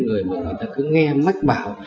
người ta cứ nghe mách bảo